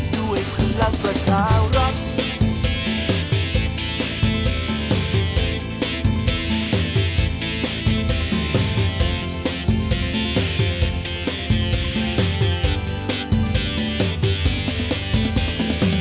ด้วยพลังประชาวรักษ์